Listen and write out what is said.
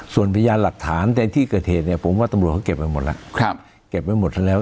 ส่วนพยาหลักฐานในที่เกิดเหตุผมว่าตำรวจเขาเก็บไปหมดแล้ว